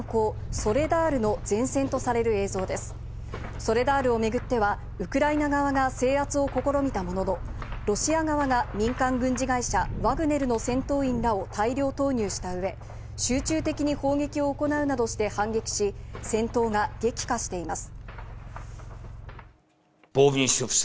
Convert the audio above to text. ソレダールを巡っては、ウクライナ側が制圧を試みたものの、ロシア側が民間軍事会社、ワグネルの戦闘員らを大量投入したうえ、集中的に砲撃を行うなどして反撃し、戦闘が激化しています。